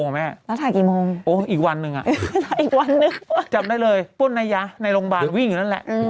แล้วถ่ายกี่โมงอีกวันหนึ่งอ่ะจำได้เลยปุ่นไนยะในโรงพยาบาลวิ่งอยู่นั่นแหละ